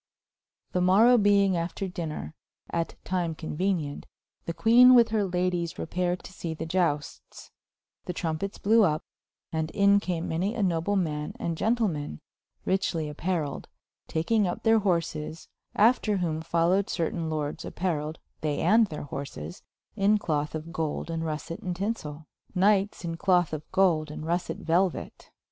] The morow beyng after dynner, at tyme conuenenient, the Quene with her Ladyes repaired to see the Iustes, the trompettes blewe vp, and in came many a noble man and Gentleman, rychely appeareiled, takynge vp thir horses, after whome folowed certayne lordes appareiled, they and thir horses, in cloth of Golde and russet and tynsell; Knyghtes in cloth of Golde, and russet Veluet.